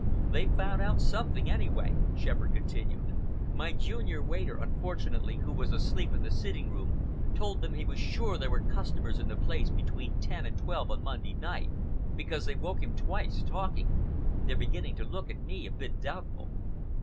"They've found out something, anyway," Shepherd continued. "My junior waiter, unfortunately, who was asleep in the sitting room, told them he was sure there were customers in the place between ten and twelve on Monday night, because they woke him up twice, talking. They're beginning to look at me a bit doubtful."